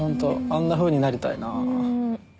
あんなふうになりたいな。